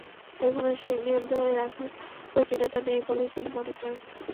এখনো সেই নিয়ম ধরে রাখার প্রয়োজনীয়তা নেই বলেই তিনি মনে করেন।